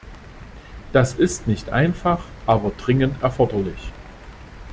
Das ist nicht einfach, aber dringend erforderlich.